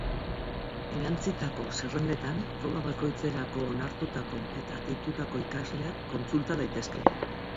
Erantsitako zerrendetan, proba bakoitzerako onartutako eta deitutako ikasleak kontsulta daitezke.